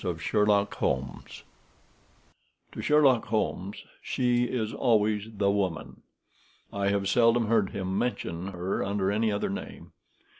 A Scandal in Bohemia I To Sherlock Holmes she is always the woman. I have seldom heard him mention her under any other name.